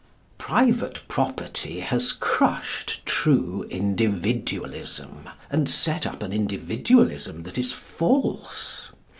Private property has crushed true Individualism, and set up an Individualism that is false.